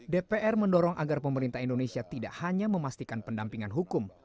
dpr mendorong agar pemerintah indonesia tidak hanya memastikan pendampingan hukum